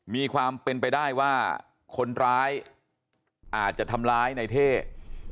มีความเป็นไปได้ว่าคนร้ายอาจจะทำร้ายในเท่